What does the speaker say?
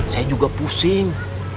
saya juga pusing